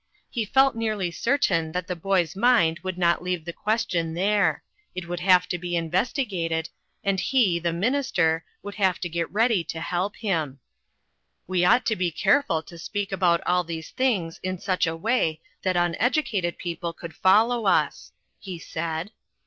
He felt nearly certain that the boy's mind would not leave the question there ; it would have to be investigated, and he, the minister, would have to get ready to help him. 3l6 INTERRUPTED. " We ought to be careful to speak about all these things in such a way that unedu cated people could follow us," he said.